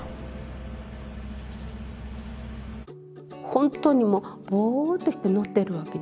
本当にもうボーッとして乗ってるわけじゃないんです。